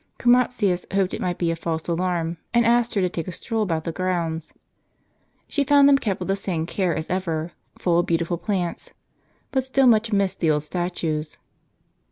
Chromatius hoped it might be a false alarm, and asked her to take a stroll about the grounds. She found them kept with the same care as ever, full of beautiful plants ; but still much missed the old statues.